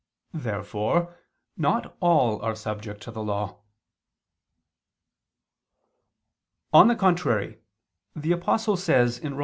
Therefore not all are subject to the law. On the contrary, The Apostle says (Rom.